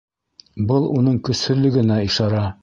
Был уның көсһөҙлөгөнә ишара.